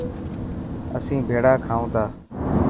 اسين ڀيڙا کائون تا.